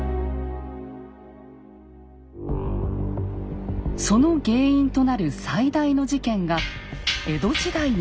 その原因となる最大の事件が江戸時代に起きました。